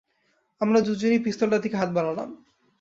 আমরা দুজনই পিস্তলটার দিকে হাত বাড়ালাম।